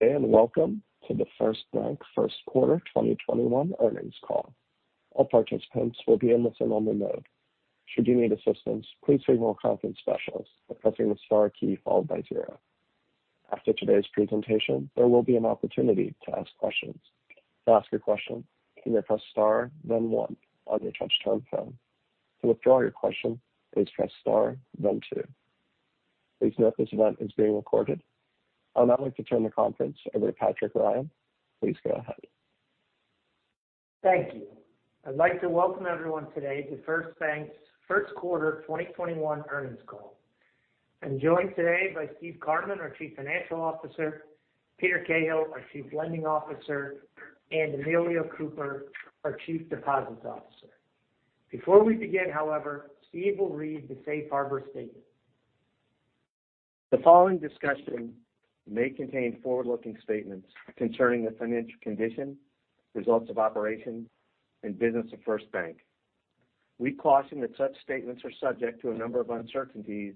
Welcome to the First Bank First Quarter 2021 earnings call. All participants will be in listen-only mode. Should you need assistance, please read more conference specialists by pressing the star key followed by zero. After today's presentation, there will be an opportunity to ask questions. To ask a question, please press star, then one on your touchtone phone. To withdraw your question, please press star, then two. Please note this event is being recorded. I'd now like to turn the conference over to Patrick Ryan. Please go ahead. Thank you. I'd like to Welcome everyone today to First Bank's first quarter 2021 earnings call. I'm joined today by Steve Cartman, our Chief Financial Officer, Peter Cahill, our Chief Lending Officer, and Emilio Cooper, our Chief Deposits Officer. Before we begin, however, Steve will read the safe harbor statement. The following discussion may contain forward-looking statements concerning the financial condition, results of operations and business of First Bank. We caution that such statements are subject to a number of uncertainties,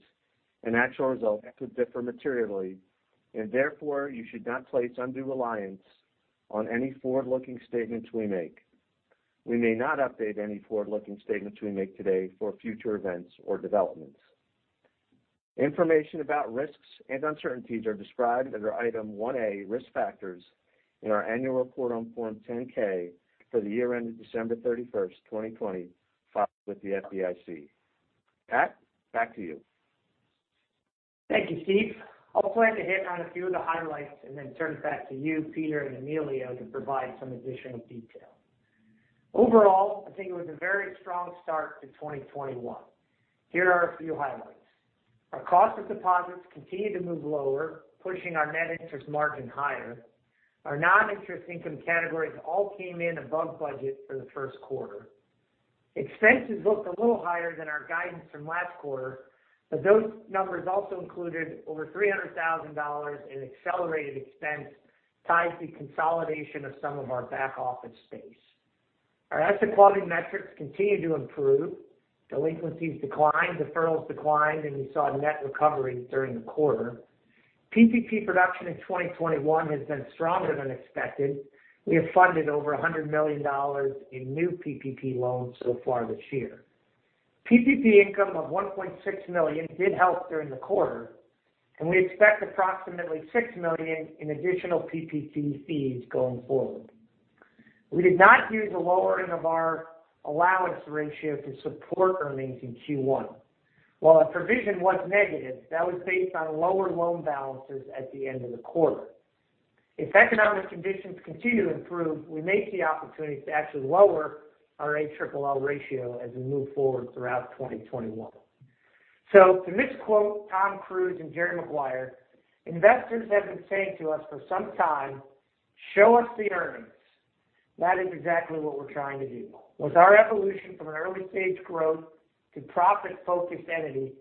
and actual results could differ materially, and therefore you should not place undue reliance on any forward-looking statements we make. We may not update any forward-looking statements we make today for future events or developments. Information about risks and uncertainties are described under Item 1A, Risk Factors, in our annual report on Form 10-K for the year ended December 31st, 2020, filed with the FDIC. Patrick, back to you. Thank you, Steve. I'll plan to hit on a few of the highlights and then turn it back to you, Peter and Emilio, to provide some additional detail. Overall, I think it was a very strong start to 2021. Here are a few highlights. Our cost of deposits continued to move lower, pushing our net interest margin higher. Our non-interest income categories all came in above budget for the first quarter. Expenses looked a little higher than our guidance from last quarter, but those numbers also included over $300,000 in accelerated expense tied to consolidation of some of our back office space. Our asset quality metrics continued to improve. Delinquencies declined, deferrals declined, and we saw net recoveries during the quarter. PPP production in 2021 has been stronger than expected. We have funded over $100 million in new PPP loans so far this year. PPP income of $1.6 million did help during the quarter, and we expect approximately $6 million in additional PPP fees going forward. We did not use a lowering of our allowance ratio to support earnings in Q1. While our provision was negative, that was based on lower loan balances at the end of the quarter. If economic conditions continue to improve, we may see opportunities to actually lower our ALLL ratio as we move forward throughout 2021. To misquote Tom Cruise in Jerry Maguire, investors have been saying to us for some time, "Show us the earnings." That is exactly what we're trying to do. With our evolution from an early-stage growth to profit-focused entity,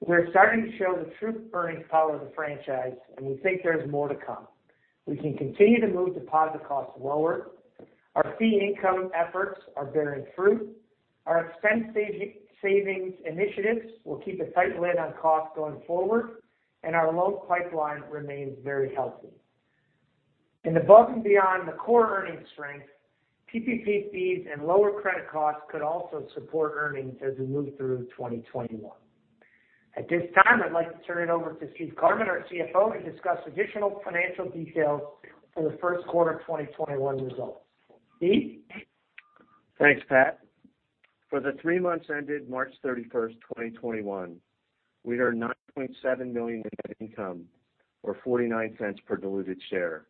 we're starting to show the true earnings power of the franchise, and we think there's more to come. We can continue to move deposit costs lower. Our fee income efforts are bearing fruit. Our expense savings initiatives will keep a tight lid on costs going forward, and our loan pipeline remains very healthy. Above and beyond the core earnings strength, PPP fees and lower credit costs could also support earnings as we move through 2021. At this time, I'd like to turn it over to Steve Cartman, our CFO, to discuss additional financial details for the first quarter 2021 results. Steve? Thanks, Patrick. For the three months ended March 31st, 2021, we earned $9.7 million in net income, or $0.49 per diluted share.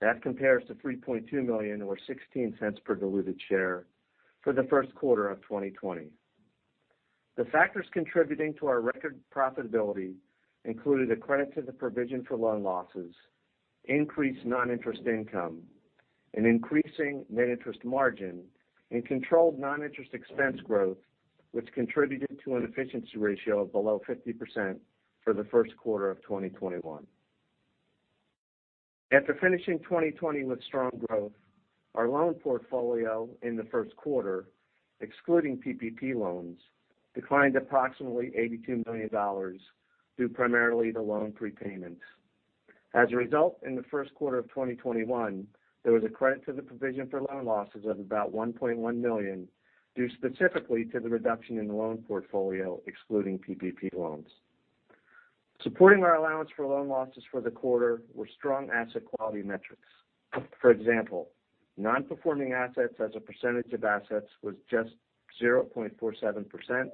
That compares to $3.2 million or $0.16 per diluted share for the first quarter of 2020. The factors contributing to our record profitability included a credit to the provision for loan losses, increased non-interest income, an increasing net interest margin and controlled non-interest expense growth, which contributed to an efficiency ratio of below 50% for the first quarter of 2021. After finishing 2020 with strong growth, our loan portfolio in the first quarter, excluding PPP loans, declined approximately $82 million due primarily to loan prepayments. As a result, in the first quarter of 2021, there was a credit to the provision for loan losses of about $1.1 million due specifically to the reduction in the loan portfolio, excluding PPP loans. Supporting our allowance for loan losses for the quarter were strong asset quality metrics. For example, non-performing assets as a percentage of assets was just 0.47%.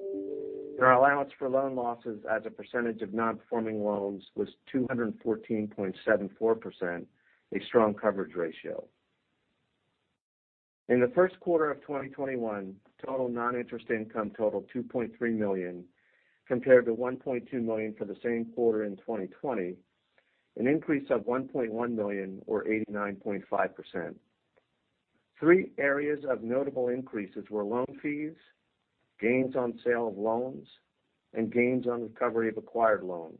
Our allowance for loan losses as a percentage of non-performing loans was 214.74%, a strong coverage ratio. In the first quarter of 2021, total non-interest income totaled $2.3 million compared to $1.2 million for the same quarter in 2020, an increase of $1.1 million or 89.5%. Three areas of notable increases were loan fees, gains on sale of loans, and gains on recovery of acquired loans.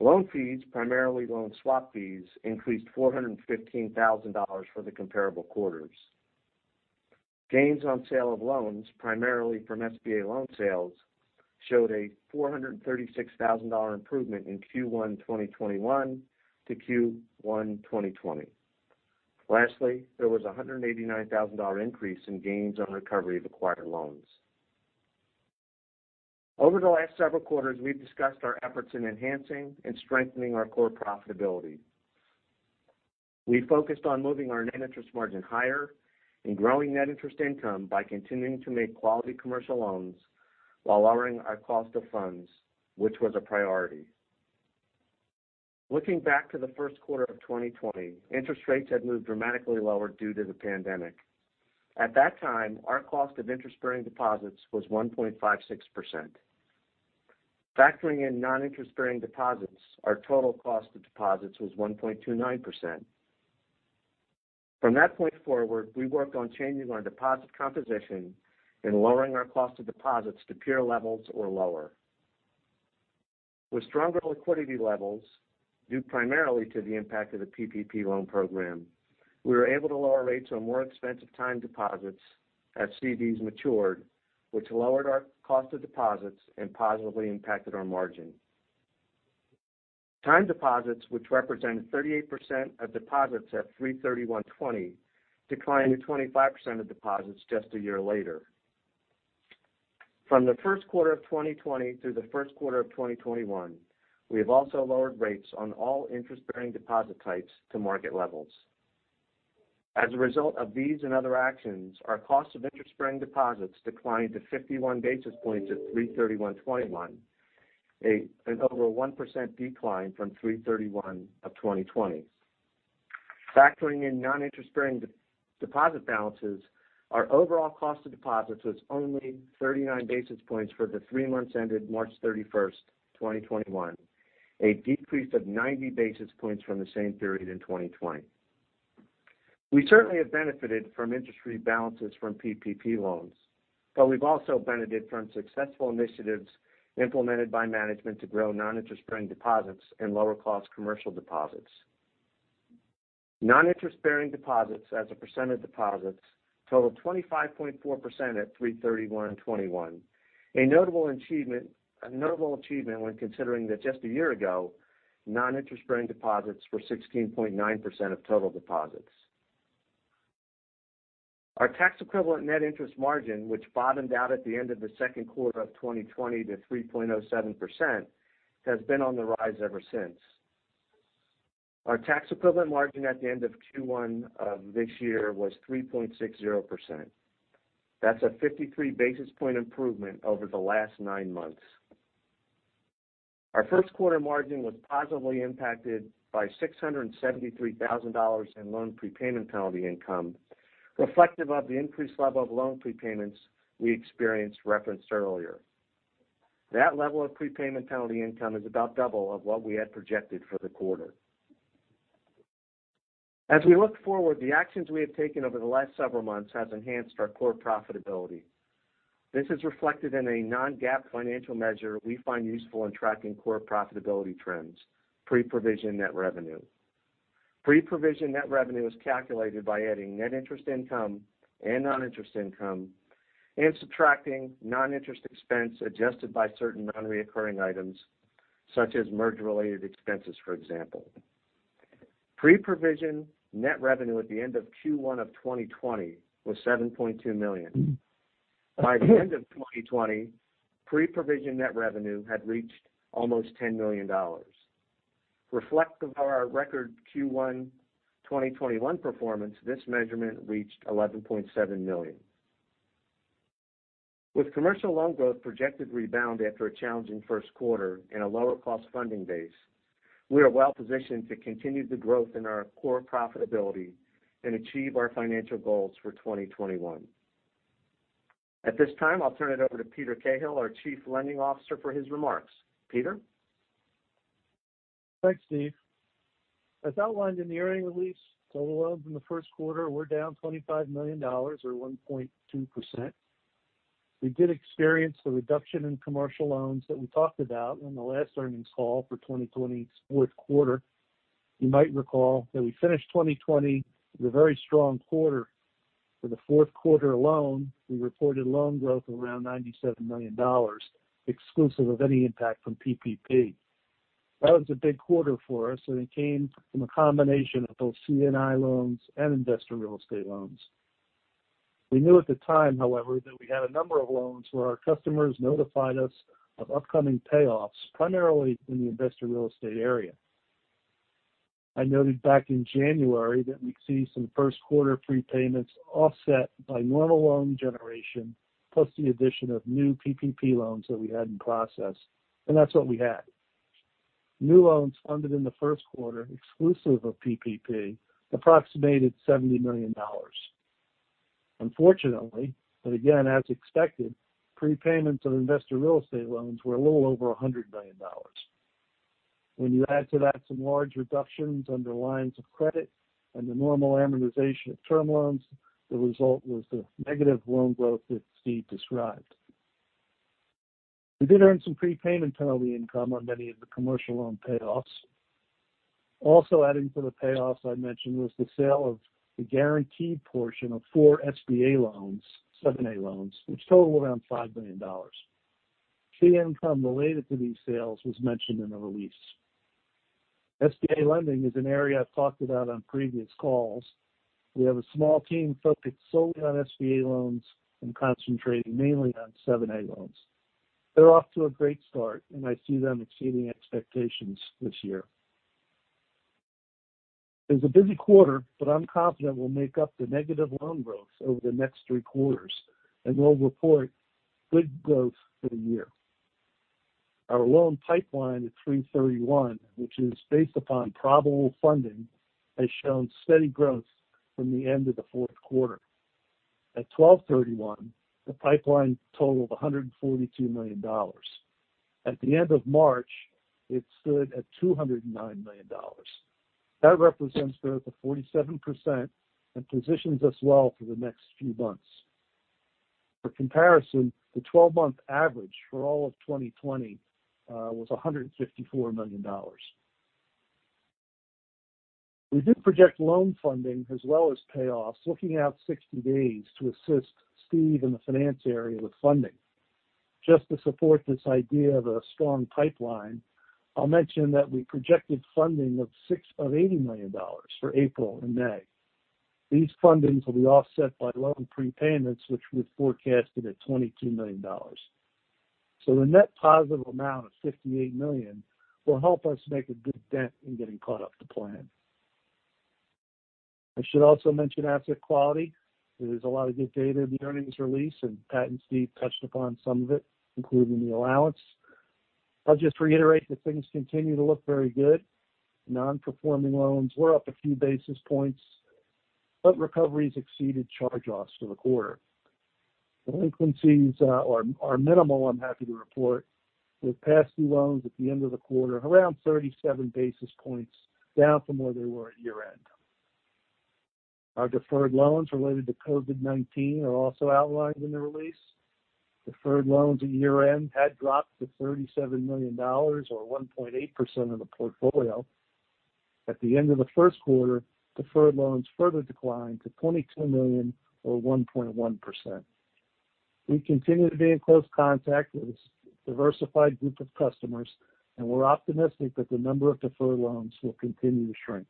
Loan fees, primarily loan swap fees, increased $415,000 for the comparable quarters. Gains on sale of loans, primarily from SBA loan sales, showed a $436,000 improvement in Q1 2021-Q1 2020. There was $189,000 increase in gains on recovery of acquired loans. Over the last several quarters, we've discussed our efforts in enhancing and strengthening our core profitability. We focused on moving our net interest margin higher and growing net interest income by continuing to make quality commercial loans while lowering our cost of funds, which was a priority. Looking back to the first quarter of 2020, interest rates had moved dramatically lower due to the pandemic. At that time, our cost of interest-bearing deposits was 1.56%. Factoring in non-interest-bearing deposits, our total cost of deposits was 1.29%. From that point forward, we worked on changing our deposit composition and lowering our cost of deposits to peer levels or lower. With stronger liquidity levels, due primarily to the impact of the PPP loan program, we were able to lower rates on more expensive time deposits as CDs matured, which lowered our cost of deposits and positively impacted our margin. Time deposits, which represented 38% of deposits at 3/31/2020, declined to 25% of deposits just a year later. From the first quarter of 2020 through the first quarter of 2021, we have also lowered rates on all interest-bearing deposit types to market levels. As a result of these and other actions, our cost of interest-bearing deposits declined to 51 basis points at 3/31/2021, an over 1% decline from 3/31/2020. Factoring in non-interest-bearing deposit balances, our overall cost of deposits was only 39 basis points for the three months ended March 31st, 2021, a decrease of 90 basis points from the same period in 2020. We certainly have benefited from interest rebalances from PPP loans, but we've also benefited from successful initiatives implemented by management to grow non-interest-bearing deposits and lower-cost commercial deposits. Non-interest-bearing deposits as a percent of deposits totaled 25.4% at 3/31/2021, a notable achievement when considering that just a year ago, non-interest-bearing deposits were 16.9% of total deposits. Our tax equivalent net interest margin, which bottomed out at the end of the second quarter of 2020 to 3.07%, has been on the rise ever since. Our tax equivalent margin at the end of Q1 of this year was 3.60%. That's a 53 basis points improvement over the last nine months. Our first quarter margin was positively impacted by $673,000 in loan prepayment penalty income, reflective of the increased level of loan prepayments we experienced referenced earlier. That level of prepayment penalty income is about double of what we had projected for the quarter. As we look forward, the actions we have taken over the last several months has enhanced our core profitability. This is reflected in a non-GAAP financial measure we find useful in tracking core profitability trends, pre-provision net revenue. Pre-provision net revenue is calculated by adding net interest income and non-interest income and subtracting non-interest expense adjusted by certain non-recurring items such as merger-related expenses, for example. Pre-provision net revenue at the end of Q1 of 2020 was $7.2 million. By the end of 2020, pre-provision net revenue had reached almost $10 million. Reflective of our record Q1 2021 performance, this measurement reached $11.7 million. With commercial loan growth projected to rebound after a challenging first quarter and a lower cost funding base, we are well positioned to continue the growth in our core profitability and achieve our financial goals for 2021. At this time, I'll turn it over to Peter Cahill, our Chief Lending Officer, for his remarks. Peter? Thanks, Steve. As outlined in the earnings release, total loans in the first quarter were down $25 million, or 1.2%. We did experience the reduction in commercial loans that we talked about in the last earnings call for 2020's fourth quarter. You might recall that we finished 2020 with a very strong quarter. For the fourth quarter alone, we reported loan growth of around $97 million, exclusive of any impact from PPP. That was a big quarter for us, and it came from a combination of both C&I loans and investor real estate loans. We knew at the time, however, that we had a number of loans where our customers notified us of upcoming payoffs, primarily in the investor real estate area. I noted back in January that we'd see some first quarter prepayments offset by normal loan generation, plus the addition of new PPP loans that we had in process. That's what we had. New loans funded in the first quarter, exclusive of PPP, approximated $70 million. Unfortunately, but again as expected, prepayments of investor real estate loans were a little over $100 million. When you add to that some large reductions under lines of credit and the normal amortization of term loans, the result was the negative loan growth that Steve described. We did earn some prepayment penalty income on many of the commercial loan payoffs. Also adding to the payoffs I mentioned was the sale of the guaranteed portion of four SBA loans, 7(a) loans, which total around $5 million. Fee income related to these sales was mentioned in the release. SBA lending is an area I've talked about on previous calls. We have a small team focused solely on SBA loans and concentrating mainly on 7(a) loans. They're off to a great start, and I see them exceeding expectations this year. It was a busy quarter, but I'm confident we'll make up the negative loan growth over the next three quarters, and we'll report good growth for the year. Our loan pipeline at 3/31, which is based upon probable funding, has shown steady growth from the end of the fourth quarter. At 12/31, the pipeline totaled $142 million. At the end of March, it stood at $209 million. That represents growth of 47% and positions us well for the next few months. For comparison, the 12-month average for all of 2020 was $154 million. We did project loan funding as well as payoffs looking out 60 days to assist Steve and the finance area with funding. Just to support this idea of a strong pipeline, I'll mention that we projected funding of $80 million for April and May. These fundings will be offset by loan prepayments, which was forecasted at $22 million. The net positive amount of $58 million will help us make a good dent in getting caught up to plan. I should also mention asset quality. There's a lot of good data in the earnings release, and Patrick and Steve touched upon some of it, including the allowance. I'll just reiterate that things continue to look very good. Non-performing loans were up a few basis points, but recoveries exceeded charge-offs for the quarter. Delinquencies are minimal, I'm happy to report, with past due loans at the end of the quarter around 37 basis points down from where they were at year-end. Our deferred loans related to COVID-19 are also outlined in the release. Deferred loans at year-end had dropped to $37 million or 1.8% of the portfolio. At the end of the first quarter, deferred loans further declined to $22 million or 1.1%. We continue to be in close contact with this diversified group of customers, and we're optimistic that the number of deferred loans will continue to shrink.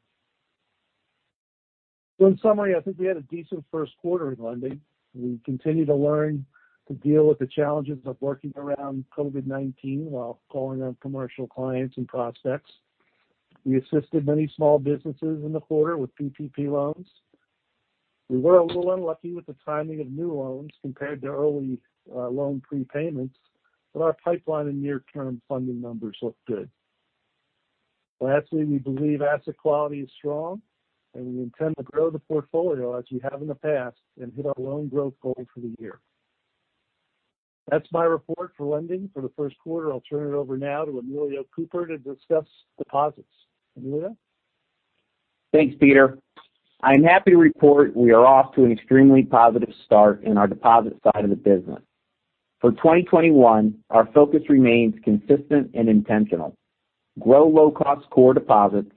In summary, I think we had a decent first quarter in lending. We continue to learn to deal with the challenges of working around COVID-19 while calling on commercial clients and prospects. We assisted many small businesses in the quarter with PPP loans. We were a little unlucky with the timing of new loans compared to early loan prepayments. Our pipeline and near-term funding numbers look good. Lastly, we believe asset quality is strong, and we intend to grow the portfolio as we have in the past and hit our loan growth goal for the year. That's my report for lending for the first quarter. I'll turn it over now to Emilio Cooper to discuss deposits. Emilio? Thanks, Peter. I'm happy to report we are off to an extremely positive start in our deposit side of the business. For 2021, our focus remains consistent and intentional. Grow low-cost core deposits,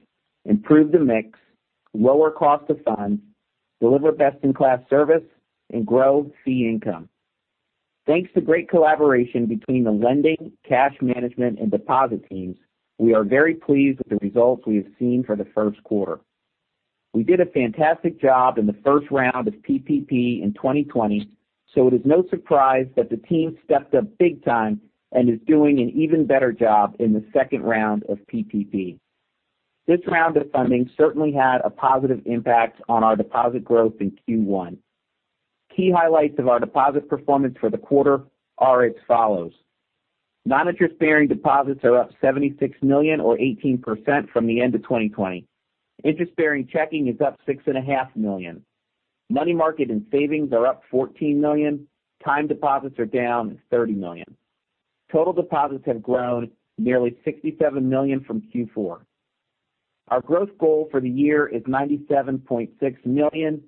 improve the mix, lower cost of funds, deliver best-in-class service, and grow fee income. Thanks to great collaboration between the lending, cash management, and deposit teams, we are very pleased with the results we have seen for the first quarter. We did a fantastic job in the first round of PPP in 2020, so it is no surprise that the team stepped up big time and is doing an even better job in the second round of PPP. This round of funding certainly had a positive impact on our deposit growth in Q1. Key highlights of our deposit performance for the quarter are as follows. Non-interest-bearing deposits are up $76 million or 18% from the end of 2020. Interest-bearing checking is up $6.5 Million. Money market and savings are up $14 million. Time deposits are down $30 million. Total deposits have grown nearly $67 million from Q4. Our growth goal for the year is $97.6 million.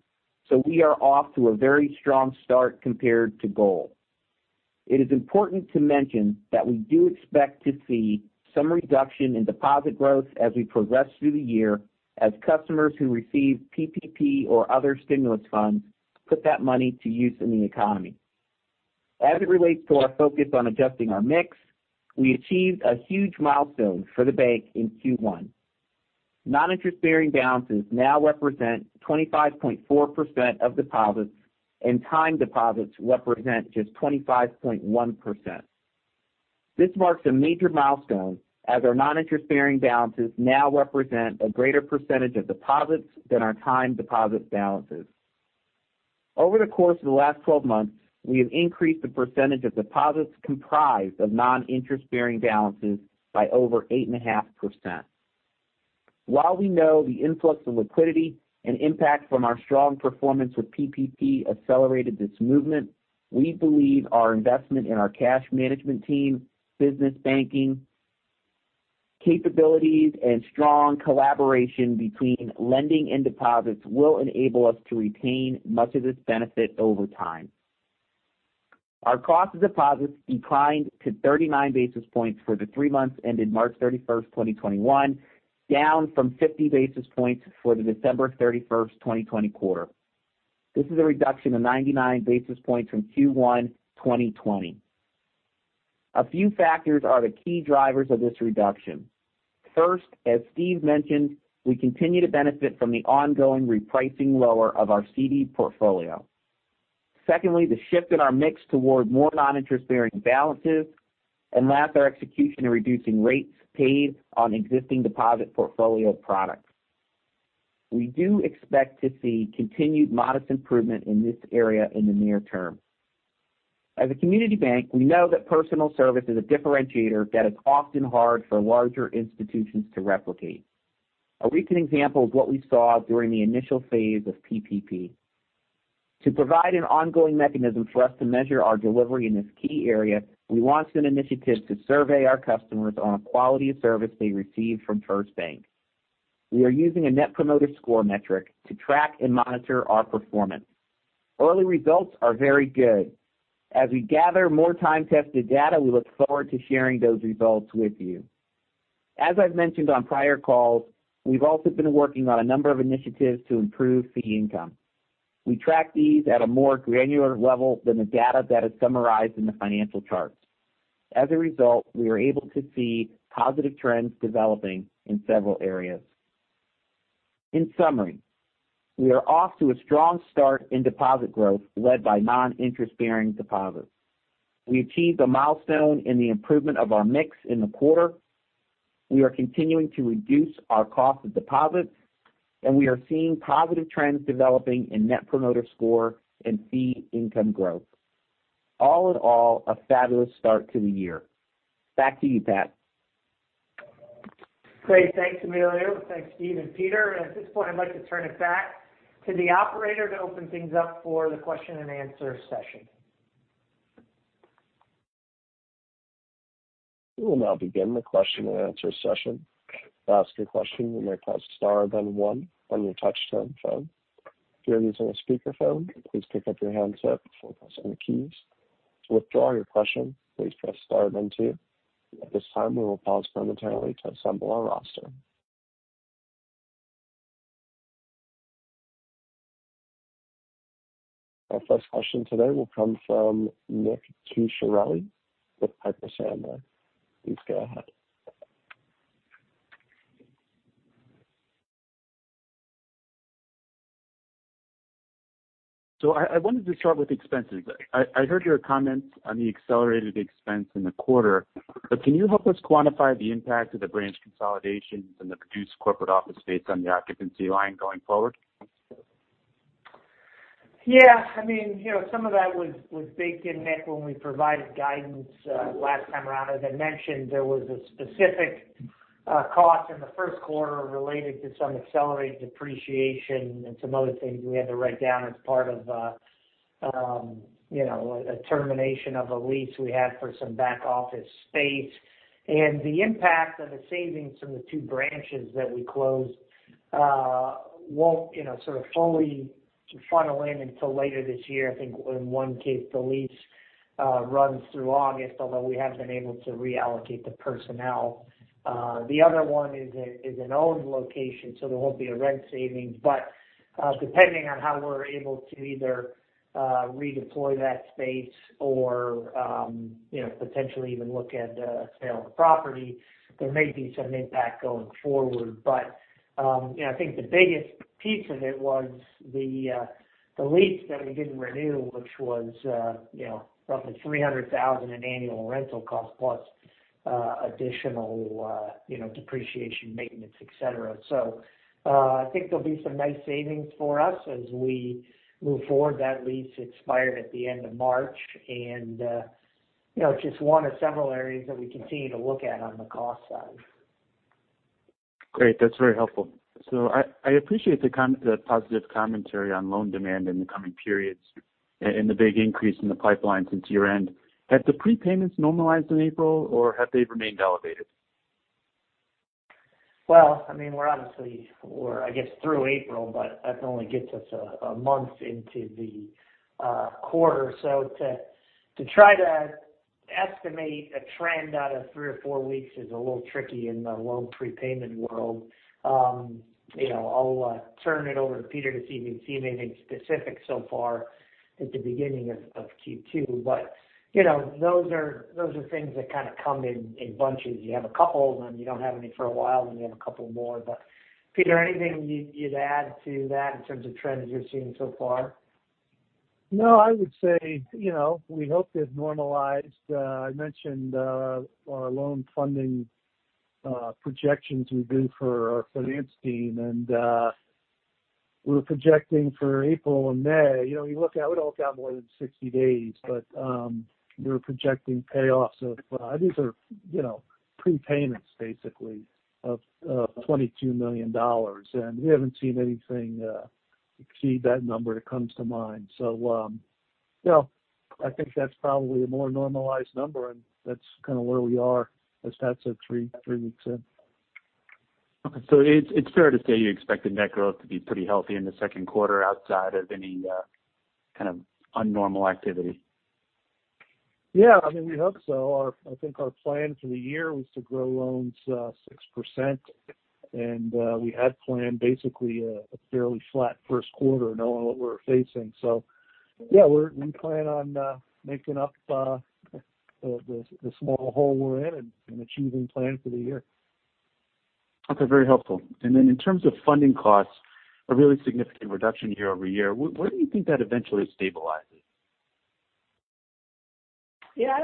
We are off to a very strong start compared to goal. It is important to mention that we do expect to see some reduction in deposit growth as we progress through the year as customers who receive PPP or other stimulus funds put that money to use in the economy. As it relates to our focus on adjusting our mix, we achieved a huge milestone for the bank in Q1. Non-interest-bearing balances now represent 25.4% of deposits, and time deposits represent just 25.1%. This marks a major milestone as our non-interest-bearing balances now represent a greater percentage of deposits than our time deposit balances. Over the course of the last 12 months, we have increased the percentage of deposits comprised of non-interest-bearing balances by over 8.5%. While we know the influx of liquidity and impact from our strong performance with PPP accelerated this movement, we believe our investment in our cash management team, business banking capabilities and strong collaboration between lending and deposits will enable us to retain much of this benefit over time. Our cost of deposits declined to 39 basis points for the three months ended March 31st, 2021, down from 50 basis points for the December 31st, 2020 quarter. This is a reduction of 99 basis points from Q1 2020. A few factors are the key drivers of this reduction. First, as Steve mentioned, we continue to benefit from the ongoing repricing lower of our CD portfolio. Secondly, the shift in our mix toward more non-interest-bearing balances. Last, our execution in reducing rates paid on existing deposit portfolio products. We do expect to see continued modest improvement in this area in the near term. As a community bank, we know that personal service is a differentiator that is often hard for larger institutions to replicate. A recent example is what we saw during the initial phase of PPP. To provide an ongoing mechanism for us to measure our delivery in this key area, we launched an initiative to survey our customers on the quality of service they receive from First Bank. We are using a Net Promoter Score metric to track and monitor our performance. Early results are very good. As we gather more time-tested data, we look forward to sharing those results with you. As I've mentioned on prior calls, we've also been working on a number of initiatives to improve fee income. We track these at a more granular level than the data that is summarized in the financial charts. As a result, we are able to see positive trends developing in several areas. In summary, we are off to a strong start in deposit growth led by non-interest-bearing deposits. We achieved a milestone in the improvement of our mix in the quarter. We are continuing to reduce our cost of deposits, and we are seeing positive trends developing in Net Promoter Score and fee income growth. All in all, a fabulous start to the year. Back to you, Patrick. Great. Thanks, Emilio. Thanks, Steve and Peter. At this point, I'd like to turn it back to the operator to open things up for the question and answer session. We will now begin the question and answer session. To ask a question, you may press star then one on your touchtone phone. If you're using a speakerphone, please pick up your handset before pressing the keys. To withdraw your question, please press star then two. At this time, we will pause momentarily to assemble our roster. Our first question today will come from Nick Cucharale with Piper Sandler. Please go ahead. I wanted to start with expenses. I heard your comments on the accelerated expense in the quarter. Can you help us quantify the impact of the branch consolidations and the reduced corporate office space on the occupancy line going forward? Yeah. Some of that was baked in, Nick, when we provided guidance last time around. As I mentioned, there was a specific cost in the first quarter related to some accelerated depreciation and some other things we had to write down as part of a termination of a lease we had for some back-office space. The impact of the savings from the two branches that we closed won't sort of fully funnel in until later this year. I think in one case, the lease runs through August, although we have been able to reallocate the personnel. The other one is an owned location, so there won't be a rent savings. Depending on how we're able to either redeploy that space or potentially even look at a sale of the property, there may be some impact going forward. I think the biggest piece of it was the lease that we didn't renew, which was roughly $300,000 in annual rental cost plus additional depreciation, maintenance, et cetera. I think there'll be some nice savings for us as we move forward. That lease expired at the end of March and it's just one of several areas that we continue to look at on the cost side. Great. That's very helpful. I appreciate the positive commentary on loan demand in the coming periods and the big increase in the pipeline since year-end. Have the prepayments normalized in April or have they remained elevated? We're obviously, or I guess through April, but that only gets us a month into the quarter. To try to estimate a trend out of three or four weeks is a little tricky in the loan prepayment world. I'll turn it over to Peter Cahill to see if he can see anything specific so far at the beginning of Q2. Those are things that kind of come in bunches. You have a couple of them, you don't have any for a while, and then you have a couple more. Peter Cahill, anything you'd add to that in terms of trends you're seeing so far? No, I would say we hope they've normalized. I mentioned our loan funding projections we do for our finance team, and we're projecting for April and May. You look at all it's got more than 60 days, but we're projecting these are prepayments basically of $22 million. We haven't seen anything. See that number that comes to mind. I think that's probably a more normalized number, and that's kind of where we are as that's at three weeks in. It's fair to say you're expecting that growth to be pretty healthy in the second quarter outside of any kind of abnormal activity? Yeah. I mean, we hope so. I think our plan for the year was to grow loans 6%, and we had planned basically a fairly flat first quarter knowing what we're facing. Yeah, we plan on making up the small hole we're in and achieving plan for the year. Okay. Very helpful. In terms of funding costs, a really significant reduction year-over-year. Where do you think that eventually stabilizes? Yeah.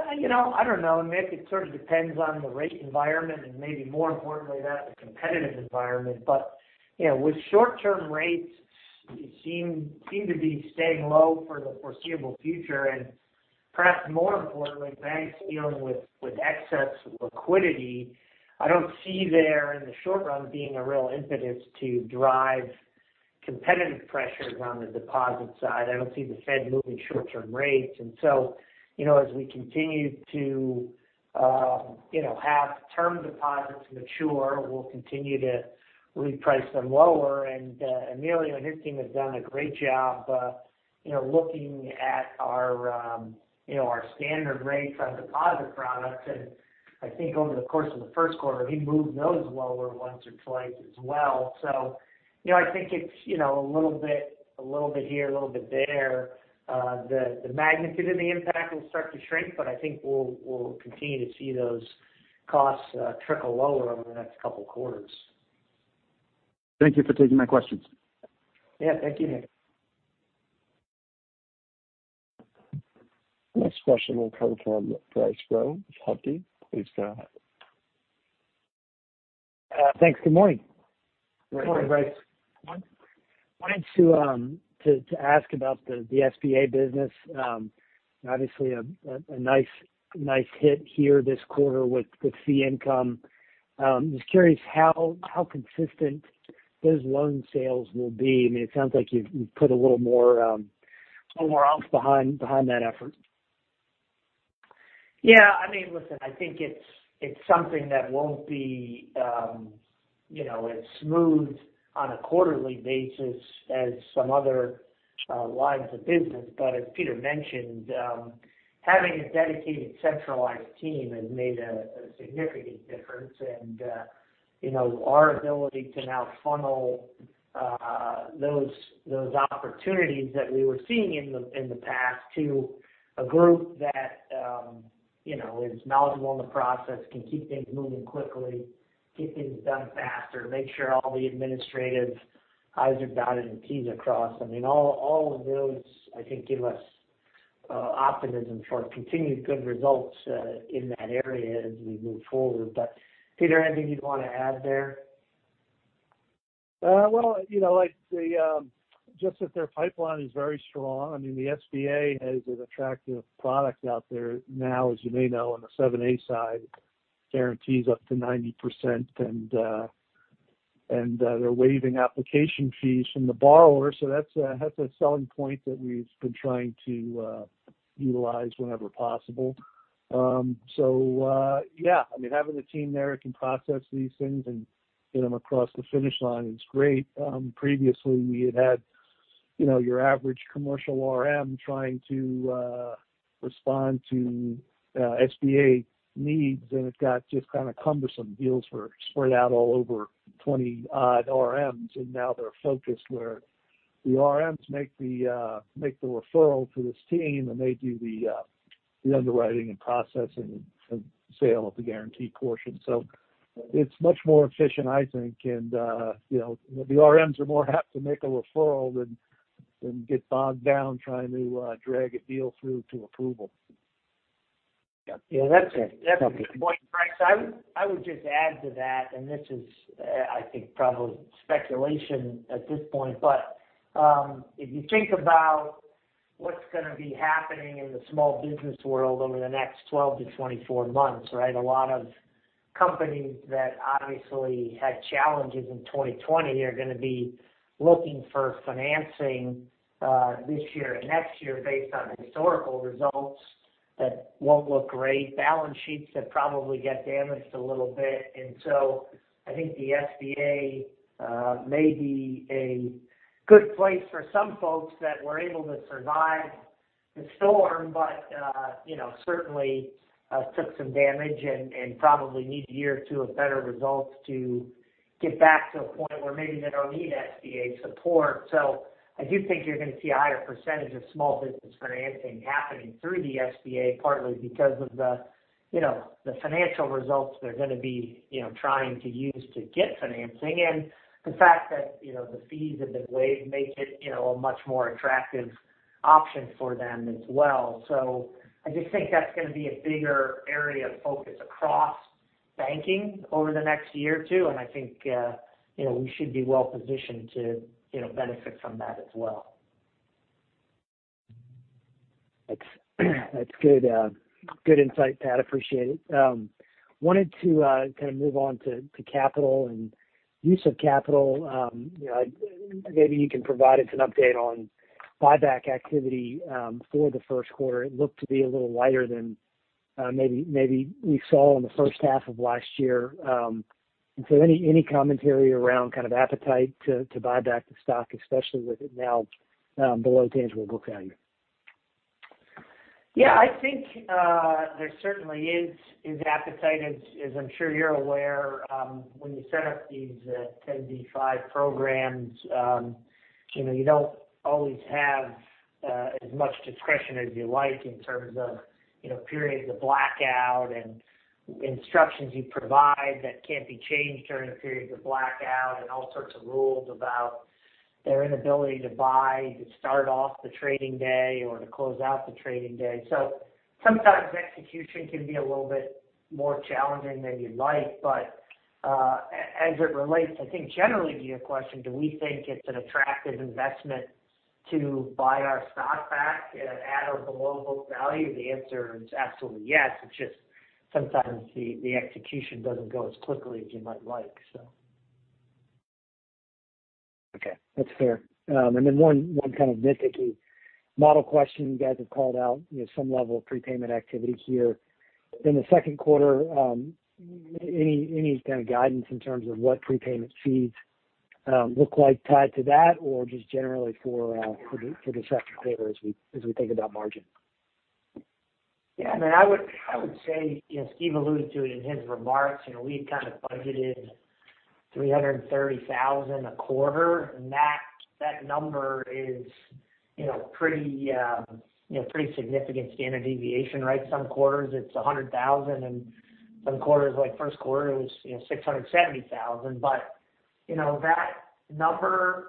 I don't know, Nick. It sort of depends on the rate environment and maybe more importantly, that the competitive environment. With short-term rates, it seem to be staying low for the foreseeable future. Perhaps more importantly, banks dealing with excess liquidity. I don't see there in the short run being a real impetus to drive competitive pressures on the deposit side. I don't see the Fed moving short-term rates. As we continue to have term deposits mature, we'll continue to reprice them lower. Emilio and his team have done a great job looking at our standard rates on deposit products. I think over the course of the first quarter, he moved those lower once or twice as well. I think it's a little bit here, a little bit there. The magnitude and the impact will start to shrink, but I think we'll continue to see those costs trickle lower over the next couple of quarters. Thank you for taking my questions. Yeah. Thank you, Nick. Next question will come from Bryce Rowe with Hovde. Please go ahead. Thanks. Good morning. Morning, Bryce. Wanted to ask about the SBA business. Obviously, a nice hit here this quarter with fee income. Just curious how consistent those loan sales will be. I mean, it sounds like you've put a little more oomph behind that effort. Yeah, listen, I think it's something that won't be as smooth on a quarterly basis as some other lines of business. As Peter mentioned, having a dedicated centralized team has made a significant difference. Our ability to now funnel those opportunities that we were seeing in the past to a group that is knowledgeable in the process, can keep things moving quickly, get things done faster, make sure all the administrative I's are dotted and T's are crossed. I mean, all of those, I think give us optimism for continued good results in that area as we move forward. Peter, anything you'd want to add there? Well, I'd say, just that their pipeline is very strong. I mean, the SBA has an attractive product out there now, as you may know, on the 7(a) side, guarantees up to 90%, and they're waiving application fees from the borrower. That's a selling point that we've been trying to utilize whenever possible. Yeah, having a team there who can process these things and get them across the finish line is great. Previously, we had had your average commercial RM trying to respond to SBA needs, and it got just kind of cumbersome. Deals were spread out all over 20 odd RMs, and now they're focused where the RMs make the referral to this team, and they do the underwriting and processing and sale of the guarantee portion. It's much more efficient, I think. The RMs are more apt to make a referral than get bogged down trying to drag a deal through to approval. Yeah. That's a good point, Bryce Rowe. I would just add to that, and this is, I think, probably speculation at this point, but if you think about what's going to be happening in the small business world over the next 12-24 months, right? A lot of companies that obviously had challenges in 2020 are going to be looking for financing this year and next year based on historical results that won't look great. Balance sheets that probably get damaged a little bit. I think the SBA may be a good place for some folks that were able to survive the storm. Certainly took some damage and probably need a year or two of better results to get back to a point where maybe they don't need SBA support. I do think you're going to see a higher percentage of small business financing happening through the SBA, partly because of the financial results they're going to be trying to use to get financing. The fact that the fees have been waived makes it a much more attractive option for them as well. I just think that's going to be a bigger area of focus across banking over the next year or two. I think we should be well-positioned to benefit from that as well. That's good insight, Patrick. Appreciate it. Wanted to move on to capital and use of capital. Maybe you can provide us an update on buyback activity for the first quarter. It looked to be a little lighter than maybe we saw in the first half of last year. Any commentary around appetite to buy back the stock, especially with it now below tangible book value? Yeah, I think there certainly is appetite, as I'm sure you're aware. When you set up these Rule 10b5-1 trading plans programs, you don't always have as much discretion as you like in terms of periods of blackout and instructions you provide that can't be changed during periods of blackout, and all sorts of rules about their inability to buy, to start off the trading day or to close out the trading day. Sometimes execution can be a little bit more challenging than you'd like. As it relates, I think, generally to your question, do we think it's an attractive investment to buy our stock back at or below book value? The answer is absolutely yes. It's just sometimes the execution doesn't go as quickly as you might like. Okay. That's fair. One nitpicky model question. You guys have called out some level of prepayment activity here in the second quarter. Any kind of guidance in terms of what prepayment fees look like tied to that, or just generally for the second quarter as we think about margin? Yeah. I would say, Steve alluded to it in his remarks. We kind of budgeted $330,000 a quarter, that number is pretty significant standard deviation, right? Some quarters it's $100,000 some quarters, like first quarter, it was $670,000. That number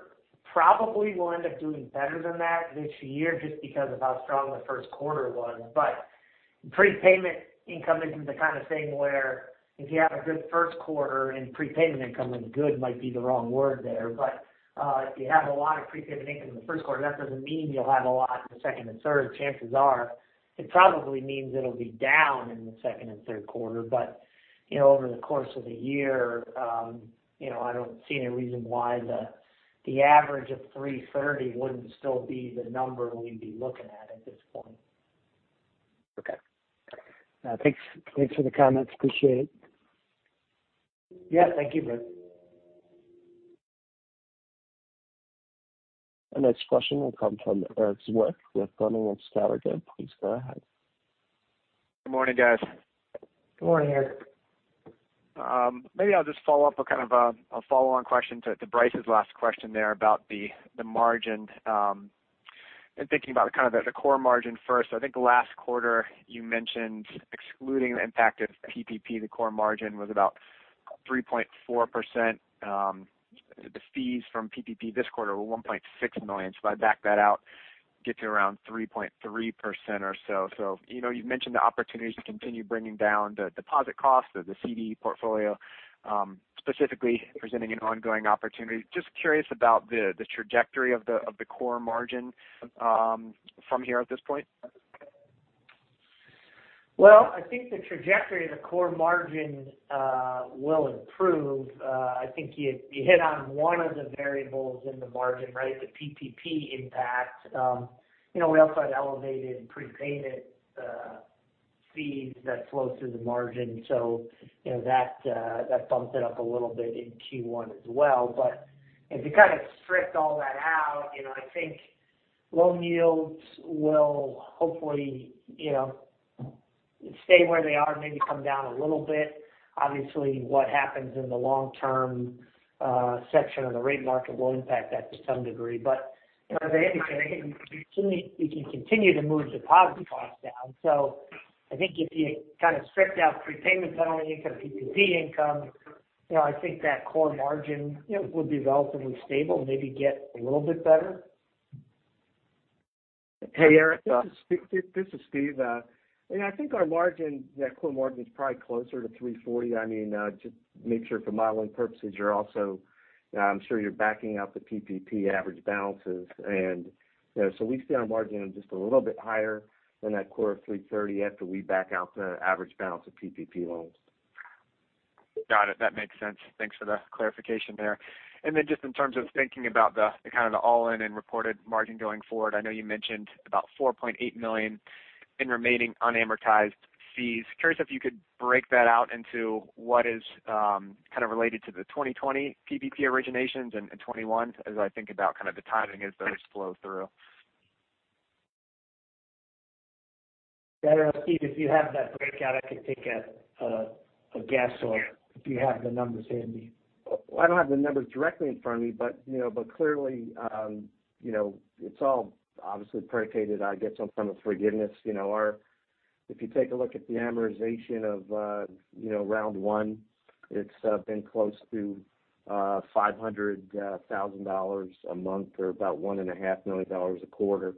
probably will end up doing better than that this year just because of how strong the first quarter was. Prepayment income is the kind of thing where if you have a good first quarter prepayment income is good, might be the wrong word there. If you have a lot of prepayment income in the first quarter, that doesn't mean you'll have a lot in the second and third. Chances are it probably means it'll be down in the second and third quarter. Over the course of the year, I don't see any reason why the average of 330 wouldn't still be the number we'd be looking at at this point. Okay. Thanks for the comments. Appreciate it. Yeah. Thank you, Bryce. The next question will come from Eric Wick with Raymond James. Please go ahead. Good morning, guys. Good morning, Eric. Maybe I'll just follow up with kind of a follow-on question to Bryce's last question there about the margin. Thinking about the core margin first. I think last quarter you mentioned excluding the impact of PPP, the core margin was about 3.4%. The fees from PPP this quarter were $1.6 million. If I back that out, gets you around 3.3% or so. You've mentioned the opportunity to continue bringing down the deposit cost of the CD portfolio specifically presenting an ongoing opportunity. Just curious about the trajectory of the core margin from here at this point. I think the trajectory of the core margin will improve. I think you hit on one of the variables in the margin, right? The PPP impact. We also had elevated prepayment fees that flow through the margin. That bumped it up a little bit in Q1 as well. If you kind of strip all that out, I think loan yields will hopefully stay where they are and maybe come down a little bit. Obviously, what happens in the long-term section of the rate market will impact that to some degree. As I indicated, I think we can continue to move deposit costs down. I think if you kind of strip out prepayment penalty income, PPP income, I think that core margin would be relatively stable and maybe get a little bit better. Hey, Eric, this is Steve. I think our margin, that core margin's probably closer to 340. Just make sure for modeling purposes I'm sure you're backing out the PPP average balances. We see our margin just a little bit higher than that core of 330 after we back out the average balance of PPP loans. Got it. That makes sense. Thanks for the clarification there. Then just in terms of thinking about the kind of all-in and reported margin going forward, I know you mentioned about $4.8 million in remaining unamortized fees. Curious if you could break that out into what is kind of related to the 2020 PPP originations and 2021 as I think about kind of the timing as those flow through. Yeah. Steve, if you have that breakout, I can take a guess or if you have the numbers handy. I don't have the numbers directly in front of me, but clearly it's all obviously predicated, I guess, on some forgiveness. If you take a look at the amortization of round one, it's been close to $500,000 a month or about $1.5 million a quarter.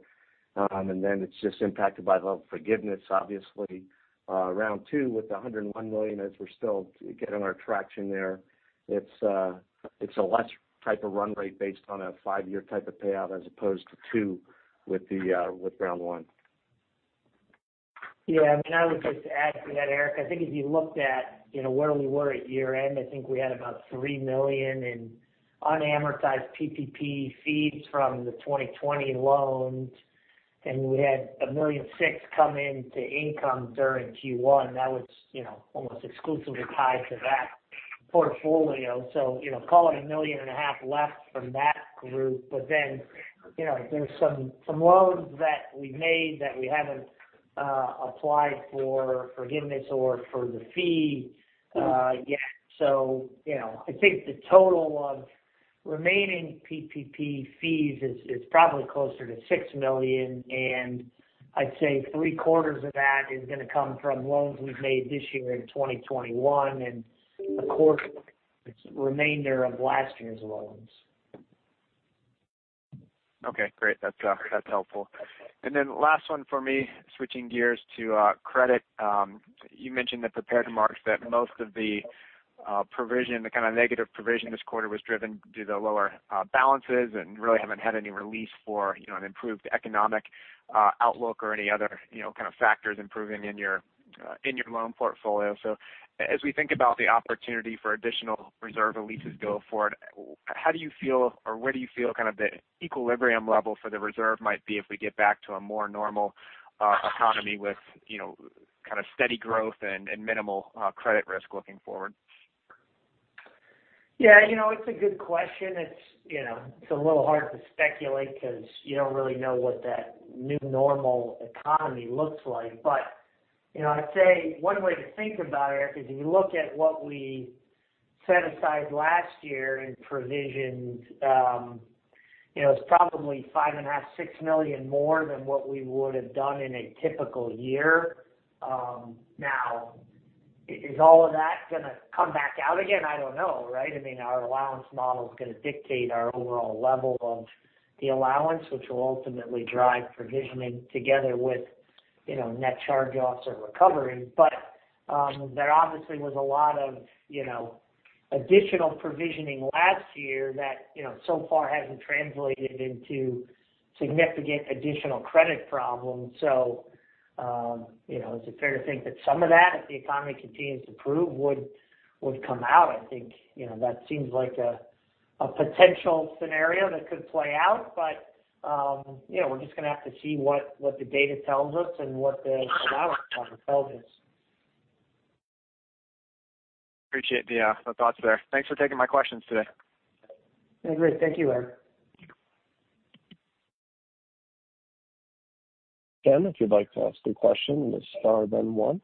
It's just impacted by the level of forgiveness, obviously. Round two with the $101 million, as we're still getting our traction there. It's a less type of run rate based on a five-year type of payout as opposed to two with round one. Yeah. I would just add to that, Eric. I think if you looked at where we were at year-end, I think we had about $3 million in unamortized PPP fees from the 2020 loans, and we had a $1.6 million come into income during Q1. That was almost exclusively tied to that portfolio. Call it a million and a half left from that group. There's some loans that we've made that we haven't applied for forgiveness or for the fee yet. I think the total of remaining PPP fees is probably closer to $6 million, and I'd say three-quarters of that is going to come from loans we've made this year in 2021, and a quarter is the remainder of last year's loans. Okay, great. That's helpful. Last one for me, switching gears to credit. You mentioned in the prepared remarks that most of the provision, the kind of negative provision this quarter was driven due to lower balances and really haven't had any release for an improved economic outlook or any other kind of factors improving in your loan portfolio. As we think about the opportunity for additional reserve releases going forward, how do you feel, or where do you feel kind of the equilibrium level for the reserve might be if we get back to a more normal economy with kind of steady growth and minimal credit risk looking forward? Yeah. It's a good question. It's a little hard to speculate because you don't really know what that new normal economy looks like. I'd say one way to think about it, Eric, is if you look at what we set aside last year and provisioned. It's probably $5.5 million, $6 million more than what we would have done in a typical year. Now is all of that going to come back out again? I don't know, right? Our allowance model's going to dictate our overall level of the allowance, which will ultimately drive provisioning together with net charge-offs or recovery. There obviously was a lot of additional provisioning last year that so far hasn't translated into significant additional credit problems. It's fair to think that some of that, if the economy continues to improve, would come out. I think that seems like a potential scenario that could play out. We're just going to have to see what the data tells us and what the allowance model tells us. Appreciate the thoughts there. Thanks for taking my questions today. Yeah, great. Thank you, Eric. If you'd like to ask a question, it is star then one.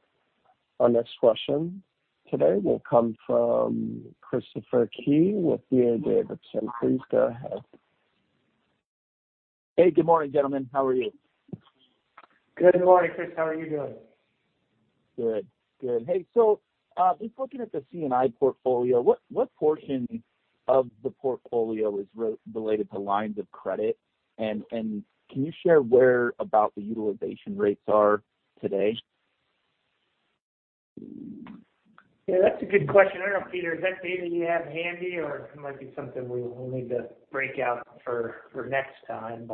Our next question today will come from Christopher Lynch with D.A. Davidson. Please go ahead. Hey, good morning, gentlemen. How are you? Good morning, Chris. How are you doing? Good. Hey, just looking at the C&I portfolio, what portion of the portfolio is related to lines of credit? Can you share where about the utilization rates are today? Yeah, that's a good question. I don't know, Peter, is that data you have handy, or it might be something we will need to break out for next time.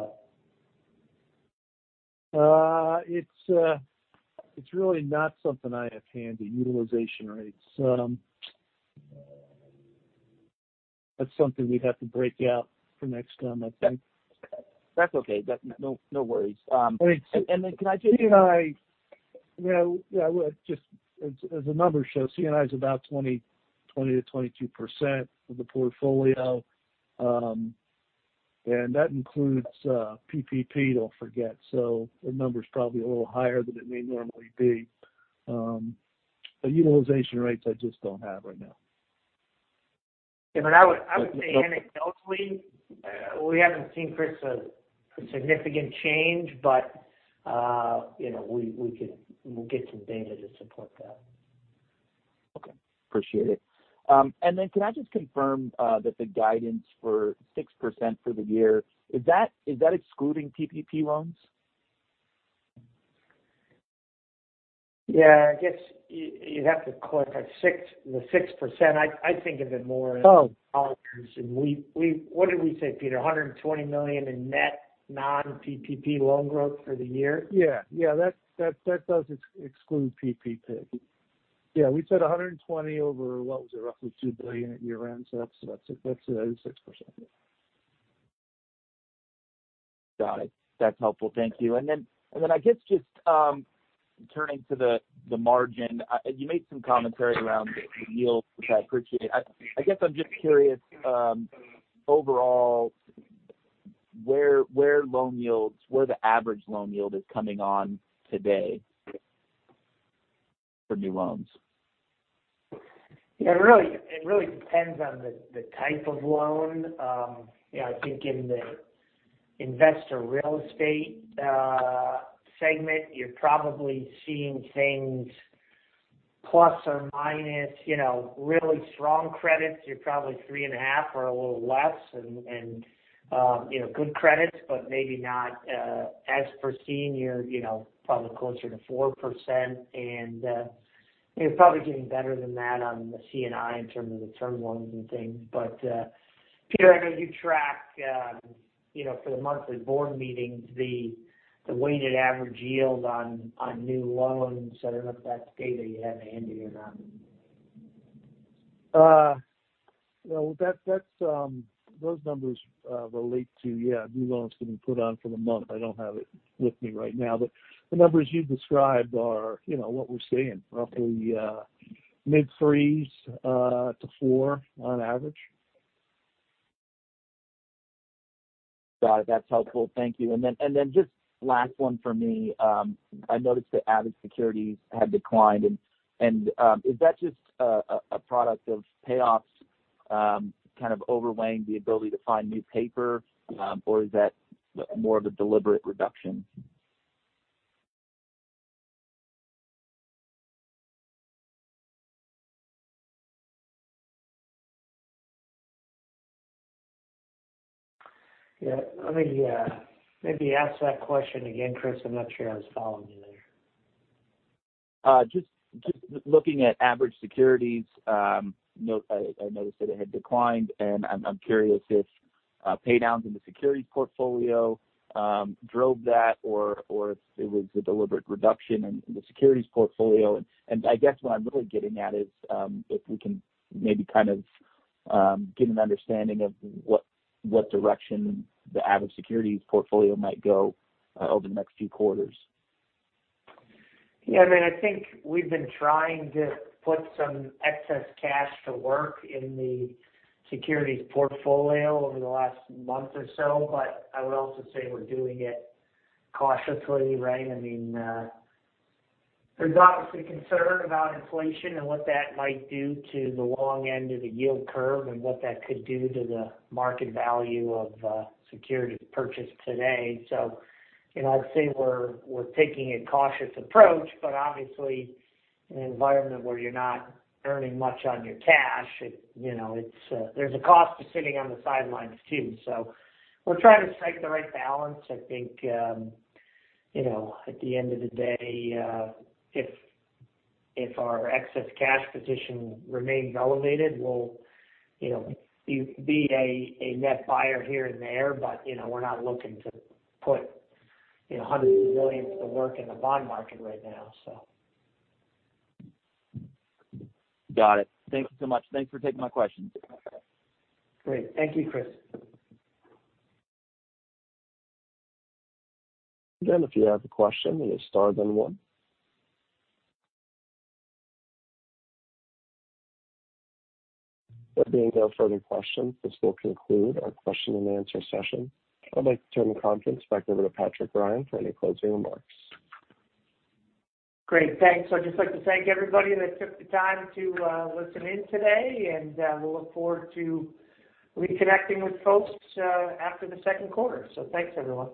It's really not something I have handy, utilization rates. That's something we'd have to break out for next time, I think. That's okay. No worries. C&I, just as the numbers show, C&I's about 20%-22% of the portfolio. That includes PPP, don't forget. The number's probably a little higher than it may normally be. Utilization rates I just don't have right now. Yeah. I would say anecdotally, we haven't seen, Christopher, a significant change, but we'll get some data to support that. Okay. Appreciate it. Can I just confirm that the guidance for 6% for the year, is that excluding PPP loans? Yeah. I guess you'd have to clarify. The 6%, I think of it more as dollars. What did we say, Peter? $120 million in net non-PPP loan growth for the year? Yeah. That does exclude PPP. Yeah, we said $120 over, what was it, roughly $2 billion at year-end. That's 6%. Got it. That's helpful. Thank you. I guess just turning to the margin. You made some commentary around the yields, which I appreciate. I guess I'm just curious, overall, where loan yields, where the average loan yield is coming on today for new loans? Yeah. It really depends on the type of loan. I think in the investor real estate segment, you're probably seeing things plus or minus really strong credits, you're probably three and a half or a little less. Good credits, but maybe not as pristine, you're probably closer to 4%. You're probably doing better than that on the C&I in terms of the term loans and things. Peter, I know you track for the monthly board meetings, the weighted average yield on new loans. I don't know if that's data you have handy or not. Those numbers relate to, yeah, new loans that we put on for the month. I don't have it with me right now. The numbers you described are what we're seeing, roughly mid threes to four on average. Got it. That's helpful. Thank you. Just last one for me. I noticed the average securities had declined, and is that just a product of payoffs kind of overlaying the ability to find new paper? Or is that more of a deliberate reduction? Yeah. Let me maybe ask that question again, Christopher. I'm not sure I was following you there. Just looking at average securities, I noticed that it had declined, and I'm curious if pay downs in the securities portfolio drove that, or if it was a deliberate reduction in the securities portfolio? I guess what I'm really getting at is if we can maybe kind of get an understanding of what direction the average securities portfolio might go over the next few quarters? I think we've been trying to put some excess cash to work in the securities portfolio over the last month or so, but I would also say we're doing it cautiously, right? There's obviously concern about inflation and what that might do to the long end of the yield curve and what that could do to the market value of securities purchased today. I'd say we're taking a cautious approach, but obviously in an environment where you're not earning much on your cash, there's a cost to sitting on the sidelines, too. We're trying to strike the right balance. I think at the end of the day, if our excess cash position remains elevated, we'll be a net buyer here and there. We're not looking to put hundreds of millions to work in the bond market right now. Got it. Thank you so much. Thanks for taking my questions. Great. Thank you, Christopher. Again, if you have a question, you hit star then one. There being no further questions, this will conclude our question and answer session. I'd like to turn the conference back over to Patrick Ryan for any closing remarks. Great. Thanks. I'd just like to thank everybody that took the time to listen in today, and we'll look forward to reconnecting with folks after the second quarter. Thanks, everyone.